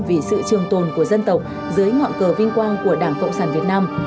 vì sự trường tồn của dân tộc dưới ngọn cờ vinh quang của đảng cộng sản việt nam